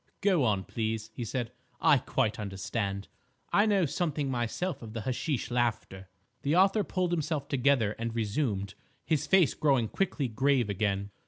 "Go on, please," he said, "I quite understand. I know something myself of the hashish laughter." The author pulled himself together and resumed, his face growing quickly grave again.